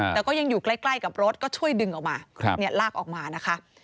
แม้ยังก็อยู่ใกล้กับรถก็ช่วยดึงออกมา